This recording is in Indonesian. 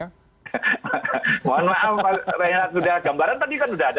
mohon maaf pak reina gambaran tadi kan sudah ada